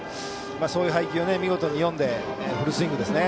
そういう配球を見事に読んでフルスイングですね。